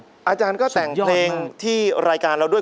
อาจารย์ก็แต่งเพลงที่รายการเราด้วย